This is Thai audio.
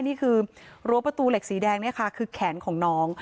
รั้วประตูเหล็กสีแดงเนี่ยค่ะคือแขนของน้อง